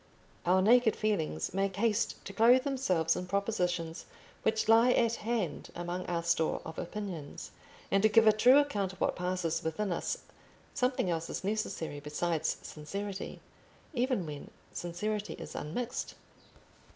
Our naked feelings make haste to clothe themselves in propositions which lie at hand among our store of opinions, and to give a true account of what passes within us something else is necessary besides sincerity, even when sincerity is unmixed.